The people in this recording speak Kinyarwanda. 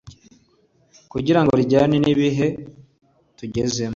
kugirango rijyane n'ibihe tugezemo